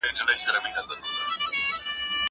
زه اوبه نه ورکوم؟!